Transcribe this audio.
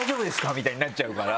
みたいになっちゃうから。